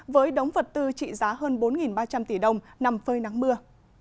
với đống vật tư trị giá hơn bốn ba trăm linh tỷ đồng nằm phơi nắng mưa